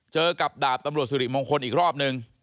เจอกับดาบตำรวจสิริมงคลอีกรอบนึง